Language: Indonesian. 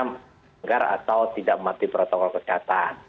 menggar atau tidak mematikan protokol kesehatan